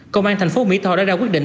công an thành phố mỹ tho đã ra quyết định